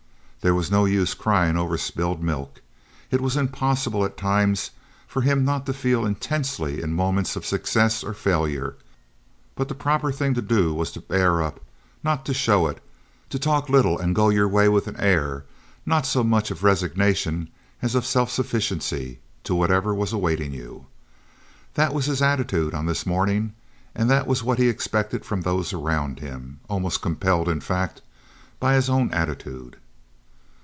There was no use crying over spilled milk. It was impossible at times for him not to feel intensely in moments of success or failure; but the proper thing to do was to bear up, not to show it, to talk little and go your way with an air not so much of resignation as of self sufficiency, to whatever was awaiting you. That was his attitude on this morning, and that was what he expected from those around him—almost compelled, in fact, by his own attitude.